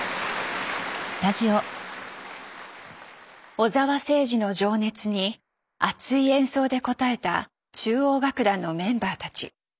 小澤征爾の情熱に熱い演奏で応えた中央楽団のメンバーたち。